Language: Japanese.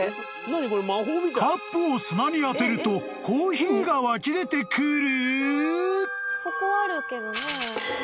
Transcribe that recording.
［カップを砂に当てるとコーヒーが湧き出てくる！？］